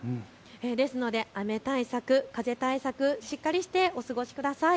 ですので雨対策、風対策、しっかりしてお過ごしください。